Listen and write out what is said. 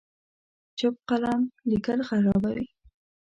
چپ قلم لیکل خرابوي.